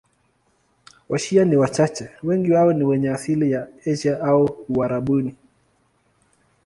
Washia ni wachache, wengi wao ni wenye asili ya Asia au Uarabuni.